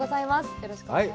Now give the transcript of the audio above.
よろしくお願いします。